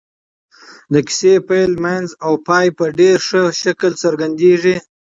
د کيسې پيل منځ او پای په ډېر ښه شکل څرګندېږي.